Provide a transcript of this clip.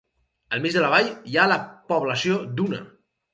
Al mig de la vall hi ha la població d'Una.